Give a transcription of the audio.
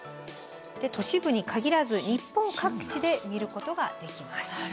都市部に限らず日本各地で見ることができます。